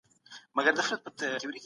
هغه وويل چي په دين کي زور نسته.